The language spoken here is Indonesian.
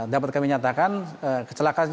dapat kami nyatakan kecelakaan